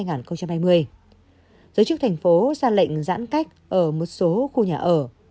giới chức thành phố ra lệnh giãn cách ở một số khu nhà ở